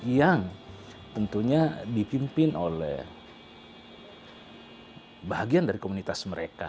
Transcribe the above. yang tentunya dipimpin oleh bagian dari komunitas mereka